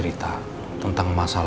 kalian tidak melupakan buat pusing